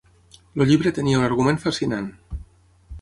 El llibre tenia un argument fascinant.